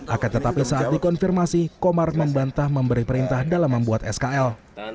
akan tetapi saat dikonfirmasi komar membantah memberi perintah dalam membuat skl